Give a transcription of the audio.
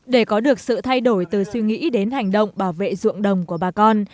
để có được sự thay đổi từ suy nghĩ đến hành động bảo vệ ruộng đồng của bà con